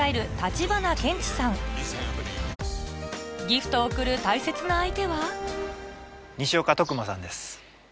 ギフトを贈る大切な相手は西岡馬さんです。